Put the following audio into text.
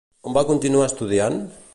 On va continuar estudiant,?